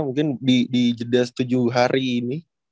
mungkin di jeddah tujuh hari ini